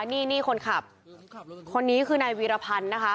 นี่คนขับคนนี้คือนายวีรพันธ์นะคะ